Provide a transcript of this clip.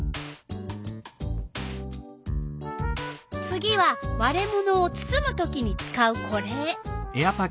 次はわれ物をつつむときに使うこれ。